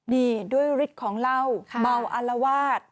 นี่ด้วยฤทธิ์ของเหล้าเมาอารวาส